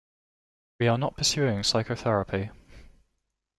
We are not pursuing psychotherapy.